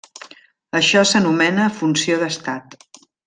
Això s'anomena funció d'estat.